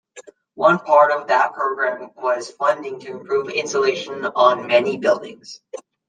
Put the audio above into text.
One part of that program was funding to improve insulation on many buildings.